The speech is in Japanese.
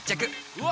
うわ！